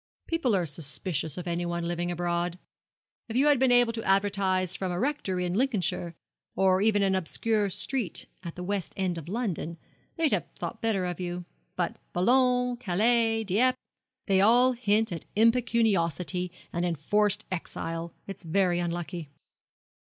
'People are suspicious of anyone living abroad. If you had been able to advertise from a rectory in Lincolnshire, or even an obscure street at the west end of London, they'd have thought better of you. But Boulogne, Calais, Dieppe, they all hint at impecuniosity and enforced exile. It's very unlucky.'